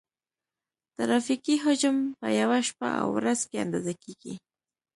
ترافیکي حجم په یوه شپه او ورځ کې اندازه کیږي